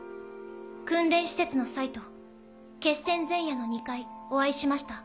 訓練施設の際と決戦前夜の２回お会いしました。